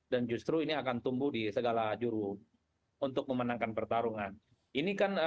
dan justru ini akan tumbuh di segala jurub untuk memenangkan pertarungan ini kan